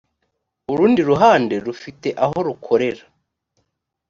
urundi ruhande rufite aho rukorera